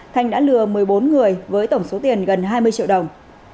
thanh đã lừa một mươi bốn người với tổng số tiền gần hai mươi triệu đồng